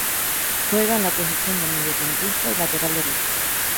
Juega en la posición de mediocampista y lateral derecho.